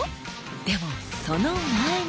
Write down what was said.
でもその前に。